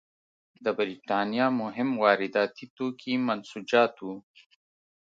د برېټانیا مهم وارداتي توکي منسوجات وو.